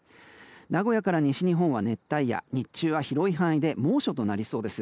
名古屋から西日本は熱帯夜日中は広い範囲で猛暑となりそうです。